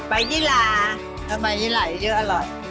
ใบยิหลาใบยิหลายเยอะอร่อย